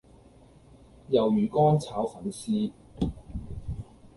魷魚乾炒粉絲